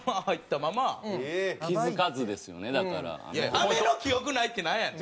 飴の記憶ないってなんやねん。